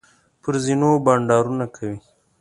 پر زینو بنډارونه کوي.